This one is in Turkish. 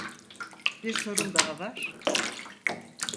Bir sorum daha var.